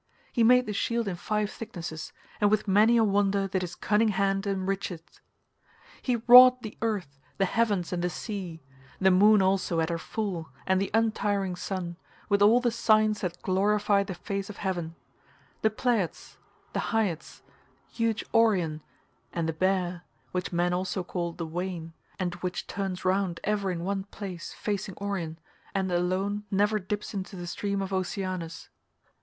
He made the shield in five thicknesses, and with many a wonder did his cunning hand enrich it. He wrought the earth, the heavens, and the sea; the moon also at her full and the untiring sun, with all the signs that glorify the face of heaven—the Pleiads, the Hyads, huge Orion, and the Bear, which men also call the Wain and which turns round ever in one place, facing Orion, and alone never dips into the stream of Oceanus.